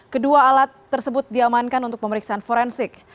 kedua alat tersebut diamankan untuk pemeriksaan forensik